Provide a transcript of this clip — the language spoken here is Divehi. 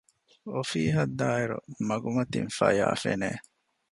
އޮފީހަށް ދާއިރު މަގުމަތިން ފަޔާ ފެނެ